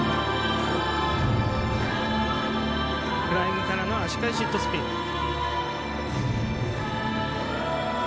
フライングからの足替えシットスピン。